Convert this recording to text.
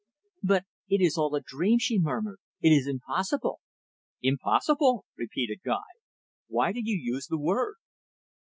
"But it is all a dream," she murmured. "It is impossible." "Impossible!" repeated Guy. "Why do you use the word?"